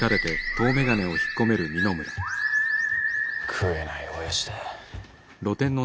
食えないおやじだ。